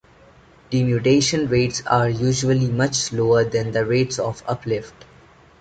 Denudation rates are usually much lower than the rates of uplift.